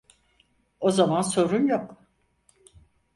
O zaman sorun yok.